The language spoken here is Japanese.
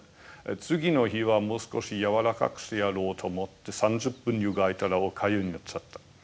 次の日はもう少しやわらかくしてやろうと思って３０分湯がいたらおかゆになっちゃった。